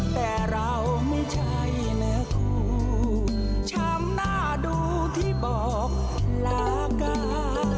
แต่เราไม่ใช่และคู่ชามหน้าดูที่บอกลากา